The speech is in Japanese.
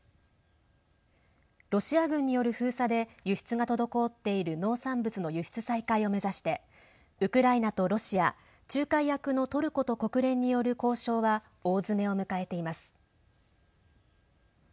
ロシア軍による封鎖で輸出が滞っている農産物の輸出再開を目指してウクライナとロシア仲介役のトルコと国連による交渉は大詰めを迎えています。